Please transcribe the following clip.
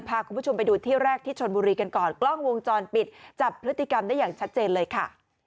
พาคุณผู้ชมไปดูที่แรกที่ชนบุรีกันก่อนกล้องวงจรปิดจับพฤติกรรมได้อย่างชัดเจนเลยค่ะ